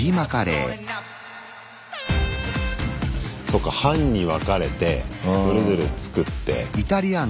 そっか班に分かれてそれぞれ作って。